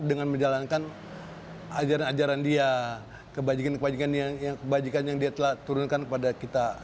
dengan menjalankan ajaran ajaran dia kebajikan kebajikan yang dia telah turunkan kepada kita